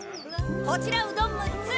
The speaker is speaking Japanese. こちらうどん６つ！